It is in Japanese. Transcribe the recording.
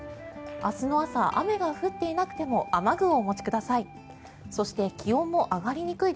明日の朝、雨が降っていなくても雨雲をお持ちください。